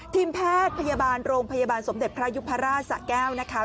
ทีมแพทย์พยาบาลโรงพยาบาลสมเด็จพระยุพราชสะแก้วนะคะ